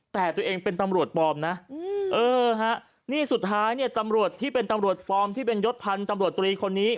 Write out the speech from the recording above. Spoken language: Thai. แต่ตัวเองเป็นตำรวจปลอมนะเออฮะนี่สุดท้ายเนี่ยตำรวจที่เป็นตำรวจปลอมที่เป็นยศพันธ์ตำรวจตรีคนนี้